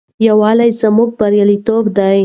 یووالي کې زموږ بریالیتوب دی.